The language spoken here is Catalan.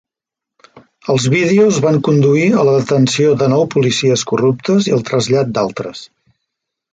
Els vídeos van conduir a la detenció de nou policies corruptes i el trasllat d'altres.